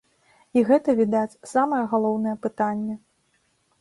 І гэта, відаць, самае галоўнае пытанне.